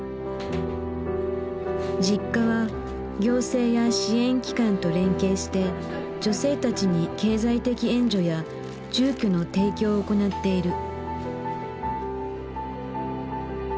Ｊｉｋｋａは行政や支援機関と連携して女性たちに経済的援助や住居の提供を行っている。